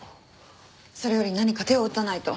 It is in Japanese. それより何か手を打たないと。